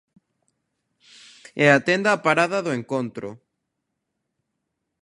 E atenda a parada do encontro.